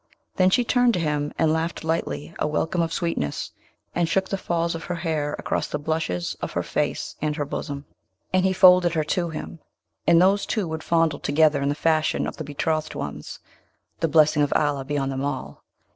Then she turned to him, and laughed lightly a welcome of sweetness, and shook the falls of her hair across the blushes of her face and her bosom; and he folded her to him, and those two would fondle together in the fashion of the betrothed ones (the blessing of Allah be on them all!)